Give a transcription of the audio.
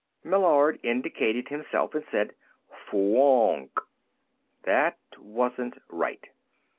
Meillard indicated himself and said, "Fwoonk." That wasn't right.